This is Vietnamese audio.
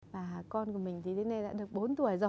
và con của mình thì đến nay đã được bốn tuổi rồi